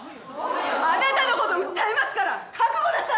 あなたの事訴えますから覚悟なさい！